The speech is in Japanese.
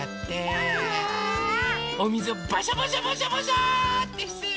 おみずをバシャバシャバシャバシャってしてるのかな？